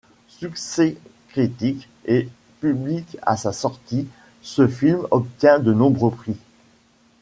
Succès critique et public à sa sortie, ce film obtient de nombreux prix.